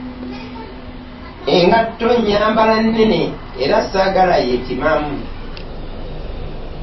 Engatto nyambala nnene era saagala yepimamu.